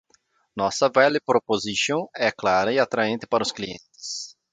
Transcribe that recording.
Nossa value proposition é clara e atraente para os clientes.